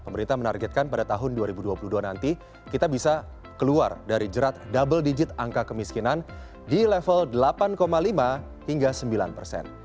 pemerintah menargetkan pada tahun dua ribu dua puluh dua nanti kita bisa keluar dari jerat double digit angka kemiskinan di level delapan lima hingga sembilan persen